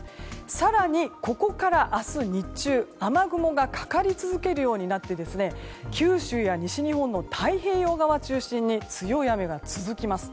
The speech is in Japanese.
更にここから明日日中雨雲がかかり続けるようになって九州や西日本の太平洋側中心に強い雨が続きます。